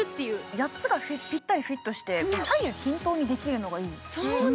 ８つがぴったりフィットして、左右均等にできるのがいい。